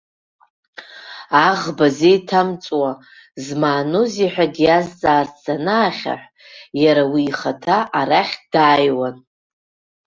Аӷба зеиҭамҵуа змааноузеи ҳәа диазҵаарц данаахьаҳә, иара уи ихаҭа арахь дааиуан.